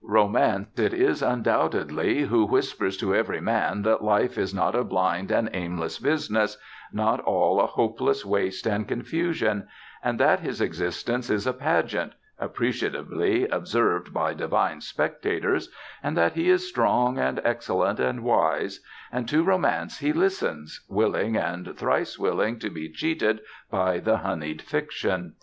Romance it is undoubtedly who whispers to every man that life is not a blind and aimless business, not all a hopeless waste and confusion; and that his existence is a pageant (appreciatively observed by divine spectators), and that he is strong and excellent and wise: and to romance he listens, willing and thrice willing to be cheated by the honeyed fiction.